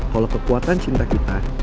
kalau kekuatan cinta kita